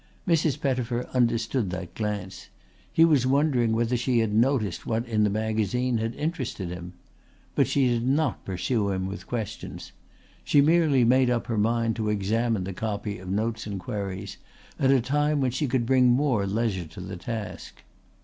Mrs. Pettifer understood that glance. He was wondering whether she had noticed what in that magazine had interested him. But she did not pursue him with questions. She merely made up her mind to examine the copy of Notes and Queries at a time when she could bring more leisure to the task.